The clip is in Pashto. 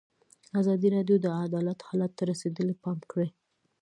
ازادي راډیو د عدالت حالت ته رسېدلي پام کړی.